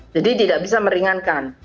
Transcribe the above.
jadi tidak bisa meringankan